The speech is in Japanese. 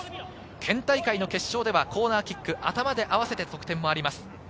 県大会の決勝ではコーナーキック、頭で合わせて得点もあります。